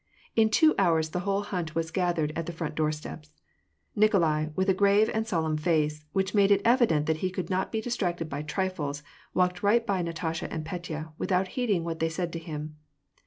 In two hours the whole hunt was gathered at the front door steps. Nikolai, with a grave and solemn face, which made it evident that he could not be distracted by trifles, walked right by Natasha and Petya, without heeding what they said to him.